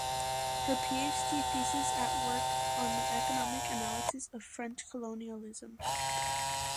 Her PhD thesis at worked on the economic analysis of French colonialism.